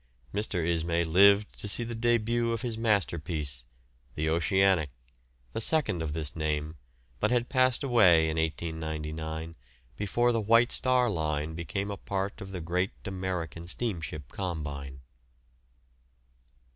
Mr. Ismay lived to see the début of his masterpiece, the "Oceanic," the second of this name, but had passed away in 1899 before the White Star Line became a part of the great American steamship combine.